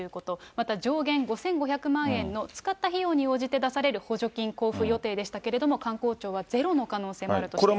また上限５５００万円の使った費用に応じて出される補助金交付予定でしたけれども、観光庁はゼロの可能性もあるとしています。